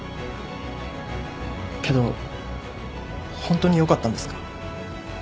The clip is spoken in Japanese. けどホントによかったんですか？